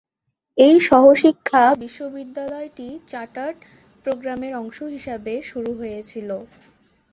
এই সহশিক্ষা বিশ্ববিদ্যালয়টি চার্টার্ড প্রোগ্রামের অংশ হিসাবে শুরু হয়েছিল।